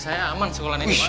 saya aman sekolah ini